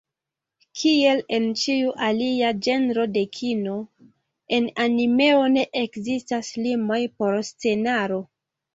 Kiel en ĉiu alia ĝenro de kino, en animeo ne ekzistas limoj por scenaro.